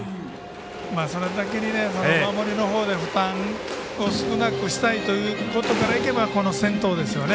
それだけに守りのほうで負担を少なくしたいということからいけばこの先頭ですよね。